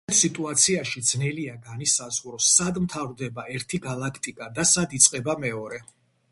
ასეთი სიტუაციაში, ძნელია განისაზღვროს სად მთავრდება ერთი გალაქტიკა და სად იწყება მეორე.